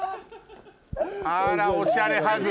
あらおしゃれハグ！